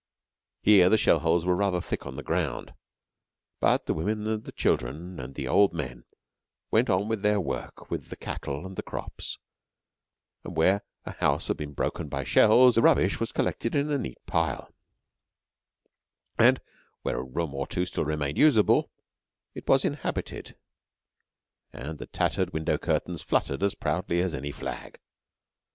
Here the shell holes were rather thick on the ground. But the women and the children and the old men went on with their work with the cattle and the crops; and where a house had been broken by shells the rubbish was collected in a neat pile, and where a room or two still remained usable, it was inhabited, and the tattered window curtains fluttered as proudly as any flag.